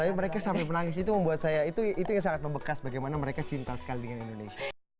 tapi mereka sampai menangis itu membuat saya itu yang sangat membekas bagaimana mereka cinta sekali dengan indonesia